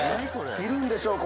いるんでしょうか？